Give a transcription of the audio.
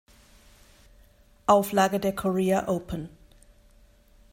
Auflage der Korea Open.